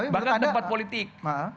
bahkan tempat politik